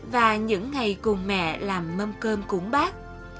và những ngày cùng mẹ làm mâm cơm cúng bác